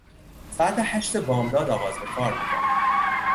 ساعت هشت بامداد آغاز به کار میکنم.